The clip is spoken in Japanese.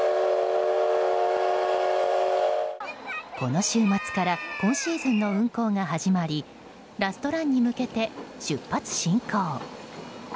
この週末から今シーズンの運行が始まりラストランに向けて出発進行。